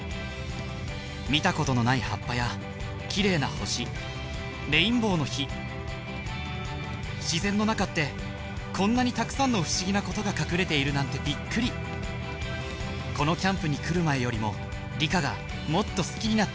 見たことのない葉っぱや綺麗な星レインボーの火自然の中ってこんなにたくさんの不思議なことが隠れているなんてびっくりこのキャンプに来る前よりも理科がもっと好きになった気がします